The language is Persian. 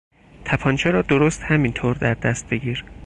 تپانچه را درست همینطور در دست بگیر.